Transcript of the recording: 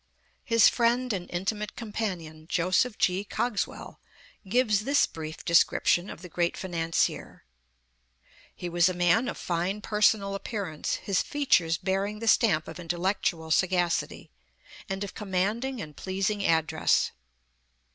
His friend and intimate companion, Joseph G. Cogs well, gives this brief description of the great financier: "He was a man of fine personal appearance, his fea tures bearing the stamp of intellectual sagacity, and of commanding and pleasing address."